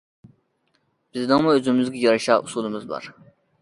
- بىزنىڭمۇ ئۆزىمىزگە يارىشا ئۇسۇلىمىز بار.